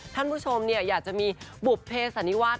ท่านผู้ชมอยากจะมีบุภเพสันนิวาส